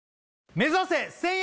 目指せ１０００円